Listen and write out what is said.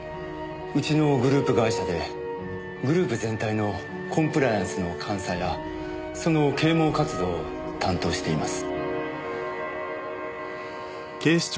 うちのグループ会社でグループ全体のコンプライアンスの監査やその啓蒙活動を担当しています。